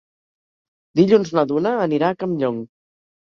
Dilluns na Duna anirà a Campllong.